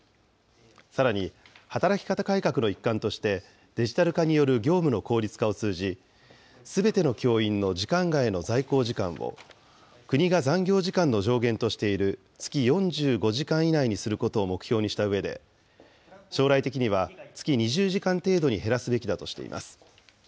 さらに、働き方改革の一環として、デジタル化による業務の効率化を通じ、すべての教員の時間外の在校時間を、国が残業時間の上限としている月４５時間以内にすることを目標にしたうえで、将来的には、月２０時間程度に減らすべきだとしています。